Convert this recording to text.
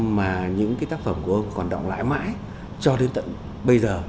mà những tác phẩm của ông còn động lại mãi cho đến bây giờ